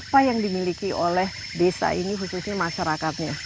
apa yang dimiliki oleh desa ini khususnya masyarakatnya